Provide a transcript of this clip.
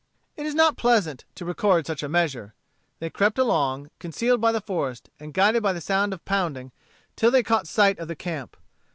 It is not pleasant to record such a measure. They crept along, concealed by the forest, and guided by the sound of pounding, till they caught sight of the camp.